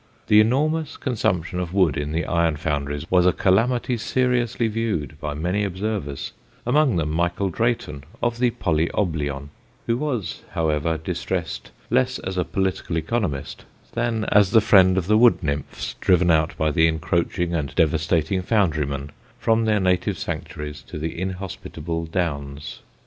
The enormous consumption of wood in the iron foundries was a calamity seriously viewed by many observers, among them Michael Drayton, of the Poly Olbion, who was, however, distressed less as a political economist than as the friend of the wood nymphs driven by the encroaching and devastating foundrymen from their native sanctuaries to the inhospitable Downs.